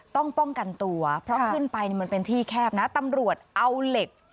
ต้องป้องกันตัวเพราะขึ้นไปมันเป็นที่แคบนะตำรวจเอาเหล็ก